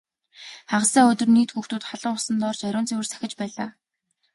Хагас сайн өдөр нийт хүүхдүүд халуун усанд орж ариун цэвэр сахиж байлаа.